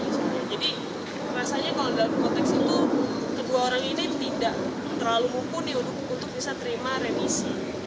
jadi rasanya kalau dalam konteks itu kedua orang ini tidak terlalu mumpuni untuk bisa terima remisi